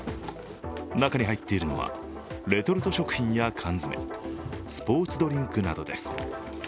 中に入っているのはレトルト食品や缶詰スポーツドリンクなどです。